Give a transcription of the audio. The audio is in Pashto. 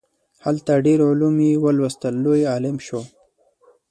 هلته ډیر علوم یې ولوستل لوی عالم شو.